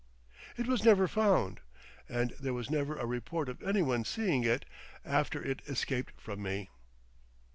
It was never found, and there was never a report of anyone seeing it after it escaped from me.